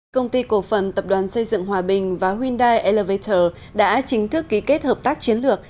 công ty cổ phần tập đoàn xây dựng hòa bình và hyundai elevator đã chính thức ký kết hợp tác chiến lược